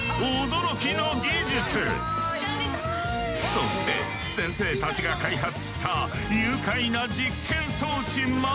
そして先生たちが開発した愉快な実験装置まで。